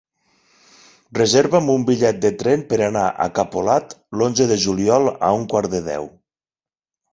Reserva'm un bitllet de tren per anar a Capolat l'onze de juliol a un quart de deu.